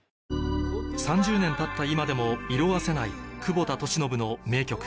３０年たった今でも色褪せない久保田利伸の名曲